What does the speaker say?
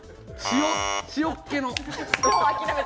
塩っ気の。